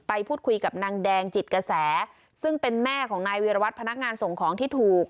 พูดคุยกับนางแดงจิตกระแสซึ่งเป็นแม่ของนายวีรวัตรพนักงานส่งของที่ถูก